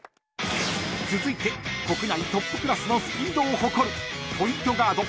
［続いて国内トップクラスのスピードを誇るポイントガード］